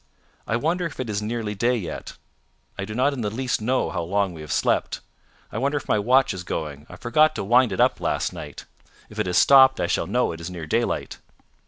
"I wonder if it is nearly day yet. I do not in the least know how long we have slept. I wonder if my watch is going. I forgot to wind it up last night. If it has stopped I shall know it is near daylight."